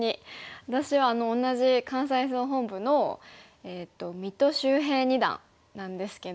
私は同じ関西総本部の三戸秀平二段なんですけど。